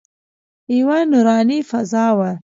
یوه نوراني فضا وه.